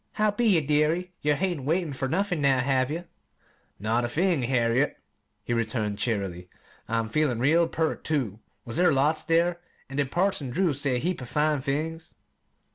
"How be ye, dearie? Yer hain't wanted fer nothin', now, have ye?" she asked. "Not a thing, Harriet," he returned cheerily. "I'm feelin' real pert, too. Was there lots there? An' did Parson Drew say a heap o' fine things?"